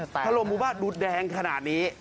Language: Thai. ถล่มบ้านดูดแดงขนาดนี้